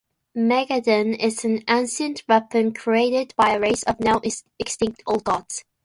Mageddon is an ancient weapon created by a race of now extinct Old Gods.